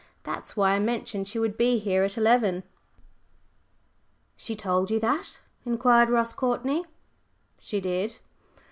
That's why I mentioned she would be here at eleven." "She told you that?" inquired Ross Courtney. "She did."